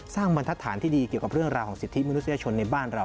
บรรทัศน์ที่ดีเกี่ยวกับเรื่องราวของสิทธิมนุษยชนในบ้านเรา